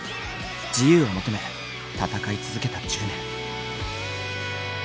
自由を求め戦い続けた１０年。